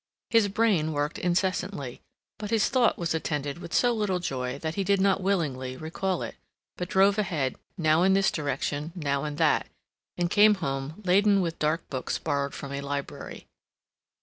His brain worked incessantly, but his thought was attended with so little joy that he did not willingly recall it; but drove ahead, now in this direction, now in that; and came home laden with dark books borrowed from a library.